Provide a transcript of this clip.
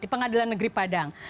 di pengadilan negeri padang